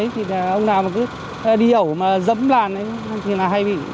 thì ông nào đi ẩu mà dẫm làn thì hay bị